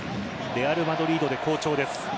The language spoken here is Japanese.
レアルマドリードで好調です。